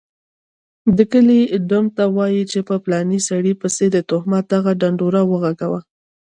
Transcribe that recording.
دکلي ډم ته وايي چي په پلاني سړي پسي دتهمت دغه ډنډوره وغږوه